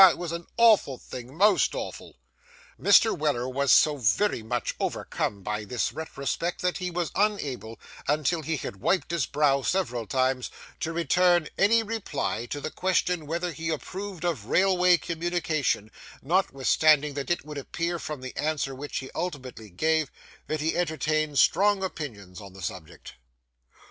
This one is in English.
It was a awful thing, most awful!' Mr. Weller was so very much overcome by this retrospect that he was unable, until he had wiped his brow several times, to return any reply to the question whether he approved of railway communication, notwithstanding that it would appear from the answer which he ultimately gave, that he entertained strong opinions on the subject.